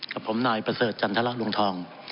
กับผมนายประเสริฐจันทรลวงทอง